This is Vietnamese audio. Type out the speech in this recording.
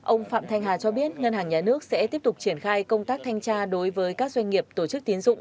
ông phạm thanh hà cho biết ngân hàng nhà nước sẽ tiếp tục triển khai công tác thanh tra đối với các doanh nghiệp tổ chức tiến dụng